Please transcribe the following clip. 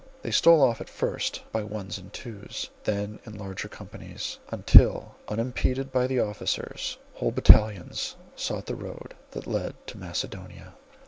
They stole off at first by ones and twos, then in larger companies, until, unimpeded by the officers, whole battalions sought the road that led to Macedonia.